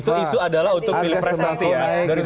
itu isu adalah untuk pilpres nanti ya